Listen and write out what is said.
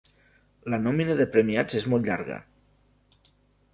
La nòmina de premiats és molt llarga.